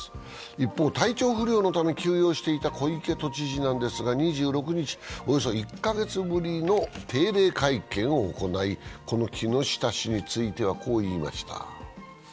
一方、体調不良のため休養していた小池都知事ですが、２６日、およそ１カ月ぶりの定例会見を行い、この木下氏についてはこう言いました。